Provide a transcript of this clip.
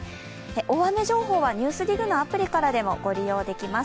大雨情報は「ＮＥＷＳＤＩＧ」のアプリからでもご利用できます。